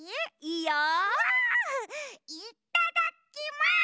いっただきます！